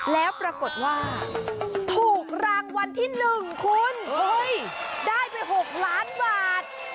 แล้วปรากฏว่าถูกรางวัลที่๑คุณได้ไป๖ล้านบาท